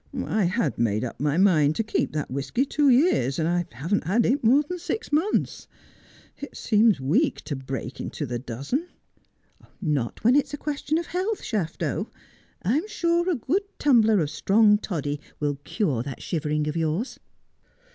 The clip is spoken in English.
' I had made up my mind to keep that whisky two years ; and I haven't had it mere than six months. It seems weak to break into the dozen.' ' Not when it is a question of health, Shafto. I'm sure a good tumbler of strong toddy will cure that shivering of yours.'